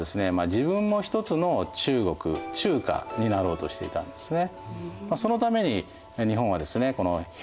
自分も一つの中国中華になろうとしていたんですね。